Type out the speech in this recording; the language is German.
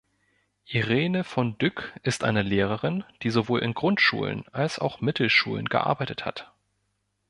Irene von Dyk ist eine Lehrerin, die sowohl in Grundschulen als auch Mittelschulen gearbeitet hat.